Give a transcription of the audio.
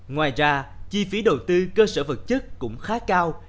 ngoài ra chi phí đầu tư cơ sở vật chất cũng khá cao